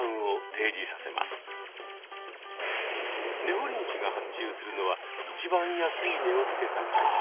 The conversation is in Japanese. ほりん市が発注するのは一番安い値をつけた会社。